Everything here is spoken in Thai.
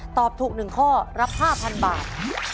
ตอบถูก๑ข้อรับ๕๐๐๐บาท